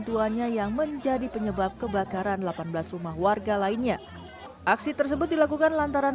tuanya yang menjadi penyebab kebakaran delapan belas rumah warga lainnya aksi tersebut dilakukan lantaran